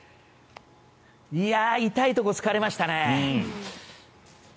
痛いところを突かれましたね。